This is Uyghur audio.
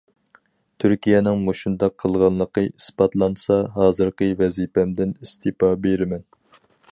تۈركىيەنىڭ مۇشۇنداق قىلغانلىقى ئىسپاتلانسا، ھازىرقى ۋەزىپەمدىن ئىستېپا بېرىمەن.